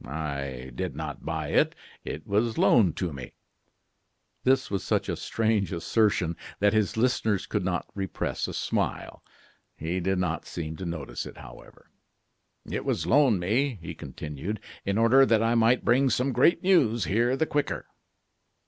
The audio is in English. "I did not buy it; it was loaned to me." This was such a strange assertion that his listeners could not repress a smile. He did not seem to notice it, however. "It was loaned me," he continued, "in order that I might bring some great news here the quicker."